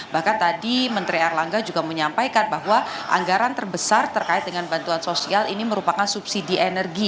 bahkan tadi menteri erlangga juga menyampaikan bahwa anggaran terbesar terkait dengan bantuan sosial ini merupakan subsidi energi